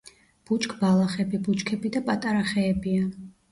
ბუჩქბალახები, ბუჩქები და პატარა ხეებია.